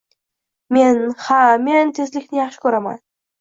— Men… ha, men tezlikni yaxshi ko‘raman